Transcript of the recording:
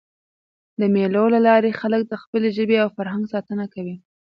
د مېلو له لاري خلک د خپلي ژبي او فرهنګ ساتنه کوي.